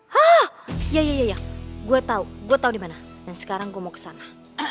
hah iya iya iya gue tau gue tau dimana dan sekarang gue mau kesana